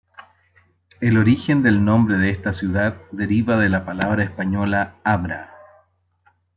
El origen del nombre de esta ciudad deriva de la palabra española abra.